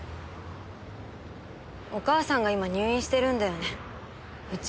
お母さんが今入院してるんだよねうち。